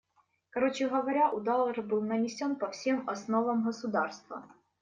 Короче говоря, удар был нанесен по всем основам государства.